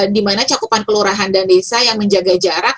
dimana cakupan kelurahan dan desa yang menjaga jarak